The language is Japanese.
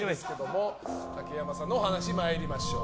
竹山さんのお話参りましょう。